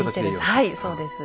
はいそうです。